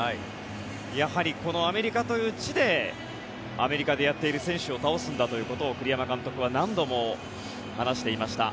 やはりこのアメリカという地でアメリカでやっている選手を倒すんだということを栗山監督は何度も話していました。